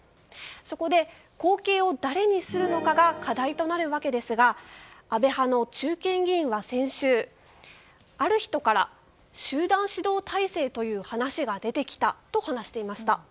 そこで、後継を誰にするのかが課題になるわけですが安倍派の中堅議員は先週ある人から集団指導体制という話が出てきたと話していました。